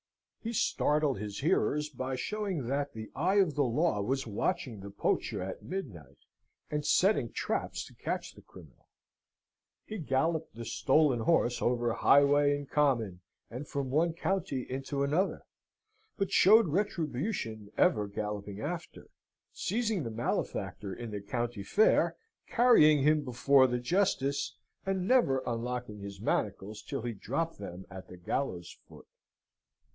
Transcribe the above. He startled his hearers by showing that the Eye of the Law was watching the poacher at midnight, and setting traps to catch the criminal. He galloped the stolen horse over highway and common, and from one county into another, but showed Retribution ever galloping after, seizing the malefactor in the country fair, carrying him before the justice, and never unlocking his manacles till he dropped them at the gallows foot.